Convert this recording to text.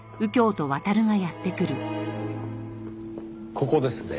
ここですね。